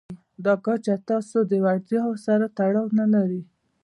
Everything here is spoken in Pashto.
دا کچه ستاسې له وړتیاوو سره تړاو نه لري.